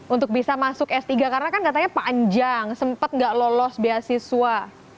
untuk bisa masuk s tiga karena kan katanya panjang sempat nggak lolos beasiswa